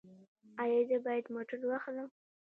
ایا زه باید موټر واخلم؟